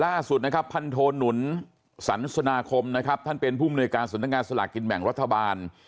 ล่าสุดนะครับพันโทหนุนสรรสนาคมนะครับท่านเป็นผู้มนุยการสำนักงานสลากกินแบ่งรัฐบาล